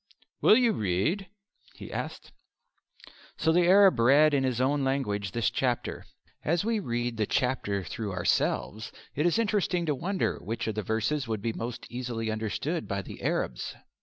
"Will you read?" he asked. So the Arab read in his own language this chapter. As we read the chapter through ourselves it is interesting to wonder which of the verses would be most easily understood by the Arabs.